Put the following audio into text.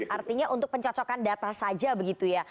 artinya untuk pencocokan data saja begitu ya